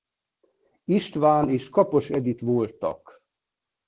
István és Kapos Edit voltak.